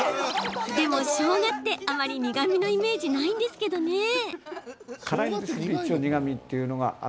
でもしょうがってあまり苦みのイメージないんですけどね。